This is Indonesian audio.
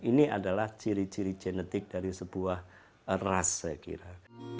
ini adalah ciri ciri genetik dari sebuah ras saya kira